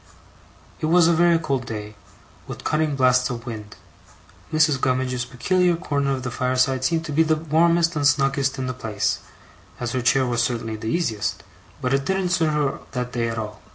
It was a very cold day, with cutting blasts of wind. Mrs. Gummidge's peculiar corner of the fireside seemed to me to be the warmest and snuggest in the place, as her chair was certainly the easiest, but it didn't suit her that day at all.